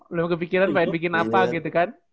belum kepikiran pengen bikin apa gitu kan